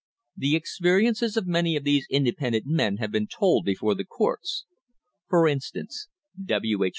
The experiences of many of these independent oil men have been told before the courts. For instance, W. H.